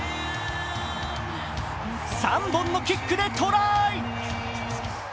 ３本のキックでトライ。